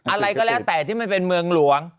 อะไรก็แล้วแต่ที่มันเป็นเมืองหลวง